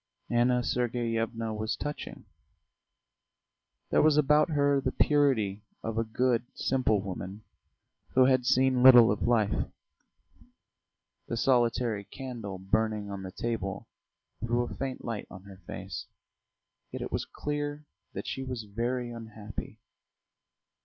Anna Sergeyevna was touching; there was about her the purity of a good, simple woman who had seen little of life. The solitary candle burning on the table threw a faint light on her face, yet it was clear that she was very unhappy.